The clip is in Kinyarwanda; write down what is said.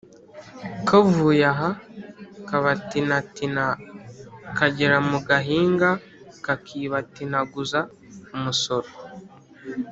Kavuye aha kabatinatina kagera mu gahinga kakibatinaguza-Umusoro.